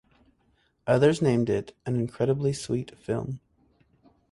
Others named it an "incredibly sweet film".